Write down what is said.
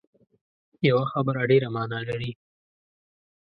یوه خبره ډېره معنا لري